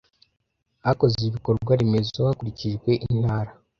hakoze ibikorwa remezo hakurikijwe intara